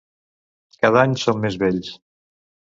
Cada any som més vells.